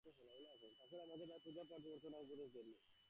ঠাকুর আমাকে তাঁর পূজা-পাঠ প্রবর্তনা করতে কখনও উপদেশ দেননি।